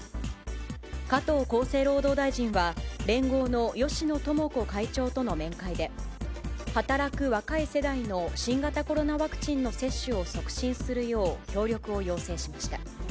加藤厚生労働大臣は、連合の芳野友子会長との面会で、働く若い世代の新型コロナワクチンの接種を促進するよう、協力を要請しました。